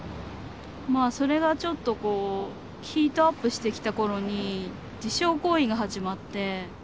まあそれがちょっとヒートアップしてきた頃に自傷行為が始まって。